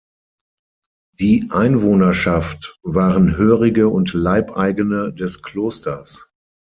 Die Einwohnerschaft waren hörige und Leibeigene des Klosters.